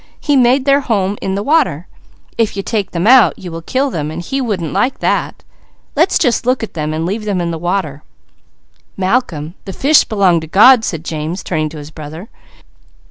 He made their home in the water. If you take them out, you will kill them, and He won't like that. Let's just look at them, and leave them in the water." "Malcolm, the fish 'belong to God,'" said James, turning to his brother.